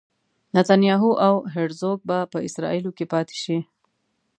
نتنیاهو او هرزوګ به په اسرائیلو کې پاتې شي.